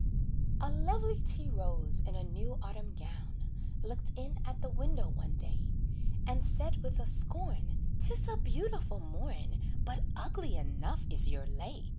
A lovely tea rose, in a new autumn gown, Looked in at the window one day, And said with a scorn: "'Tis a beautiful morn; But ugly enough is your lay.